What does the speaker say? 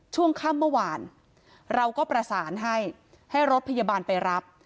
ช่วงค่ำเมื่อวานเราก็ประสานให้ให้รถพยาบาลไปรับ